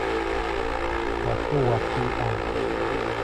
Татэ уатэ иӏагъ.